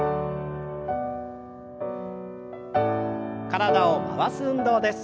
体を回す運動です。